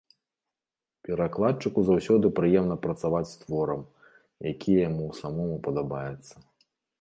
Перакладчыку заўсёды прыемна працаваць з творам, які яму самому падабаецца.